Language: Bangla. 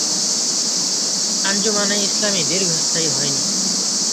আঞ্জুমানে ইসলামী দীর্ঘস্থায়ী হয় নি।